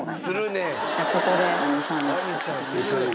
じゃあここで２、３日。